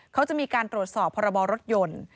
เขาจะมีการตรวจสอบพรบรถยนต์